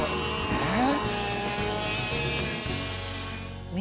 えっ！